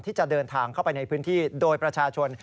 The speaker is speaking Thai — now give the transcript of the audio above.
ที่จะเดินทางเข้าไปในพื้นที่โดยประชาชน